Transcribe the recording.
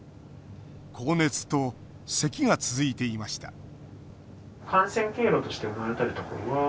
高熱と、せきが続いていました